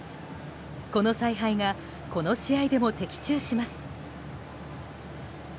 この采配がこの試合でも的中します。